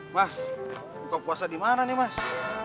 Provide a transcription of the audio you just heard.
mas buka puasa dimana nih mas